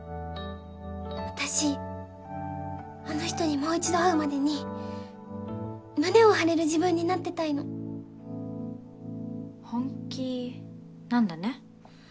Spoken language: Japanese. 私あの人にもう一度会うまでに胸を張れる自分になってたいの本気なんだね？